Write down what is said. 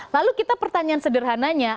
lalu kita pertanyaan sederhananya